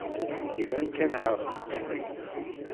Iban kan ɛerqent-am.